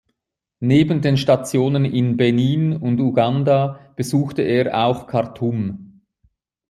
Neben den Stationen in Benin und Uganda besuchte er auch Khartum.